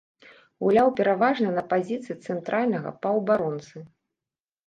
Гуляў пераважна на пазіцыі цэнтральнага паўабаронцы.